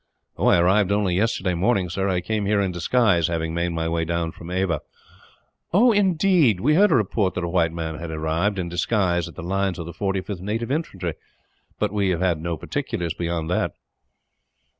"I arrived only yesterday morning, sir. I came here in disguise, having made my way down from Ava." "Oh, indeed! We heard a report that a white man had arrived, in disguise, at the lines of the 45th Native Infantry; but we have had no particulars, beyond that."